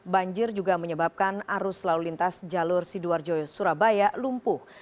banjir juga menyebabkan arus lalu lintas jalur sidoarjo surabaya lumpuh